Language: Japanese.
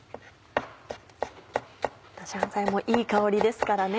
香菜もいい香りですからね。